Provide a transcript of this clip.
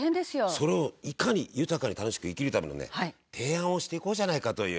それをいかに豊かに楽しく生きるためのね提案をしていこうじゃないかという。